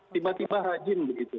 tiba tiba rajin begitu